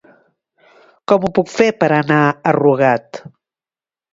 Com ho puc fer per anar a Rugat?